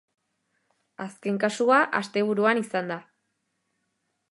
Azken kasua asteburuan izan da.